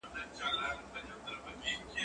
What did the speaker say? زه مځکي ته نه ګورم؟